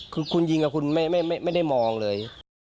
คือคุณยิงกับคุณไม่ได้มองเลย